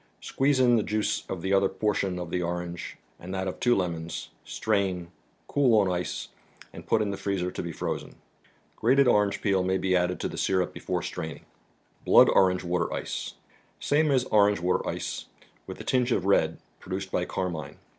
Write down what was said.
Squeeze in the juice of the other portion of the orange and that of two lemons, strain, cool on ice, and put in the freezer to be frozen. Grated orange peel may be added to the syrup before straining. OBlooH^range mater Site, s .^ n ^ Water Ice," with a tinge of red, produced by Carmine.